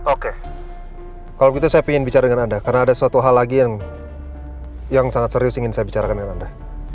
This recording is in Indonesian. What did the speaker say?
oke kalau begitu saya ingin bicara dengan anda karena ada suatu hal lagi yang sangat serius ingin saya bicarakan dengan anda